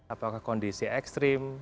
apakah kondisi ekstrim